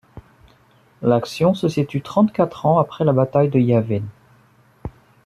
L'action se situe trente-quatre ans après la bataille de Yavin.